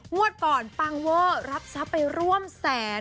งวดก่อนปังเวอร์รับทรัพย์ไปร่วมแสน